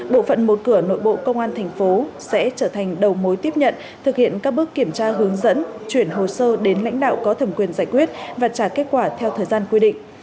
bộ phận một cửa nội bộ công an thành phố sẽ trở thành đầu mối tiếp nhận thực hiện các bước kiểm tra hướng dẫn chuyển hồ sơ đến lãnh đạo có thẩm quyền giải quyết và trả kết quả theo thời gian quy định